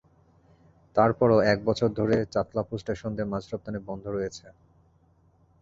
তারপরও এক বছর ধরে চাতলাপুর স্টেশন দিয়ে মাছ রপ্তানি বন্ধ রয়েছে।